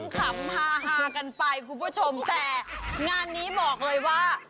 ขำฮากันไปคุณผู้ชมแต่งานนี้บอกเลยว่า